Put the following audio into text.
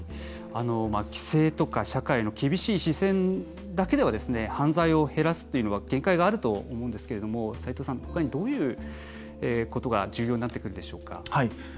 規制とか社会の厳しい視線だけでは犯罪を減らすというのは限界があると思うんですけど斉藤さん、ほかにどういうことが重要になってくるでしょうか？